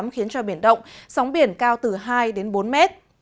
khiến cho biển động sóng biển cao từ hai đến bốn mét